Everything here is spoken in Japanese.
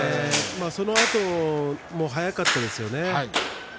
そのあと、速かったですね。